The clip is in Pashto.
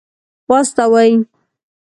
واستوي.